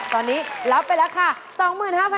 ตอนนี้รับไปราคา๒๕๐๐๐บาท